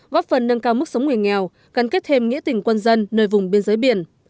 góp phần nâng cao mức sống người nghèo gắn kết thêm nghĩa tình quân dân nơi vùng biên giới biển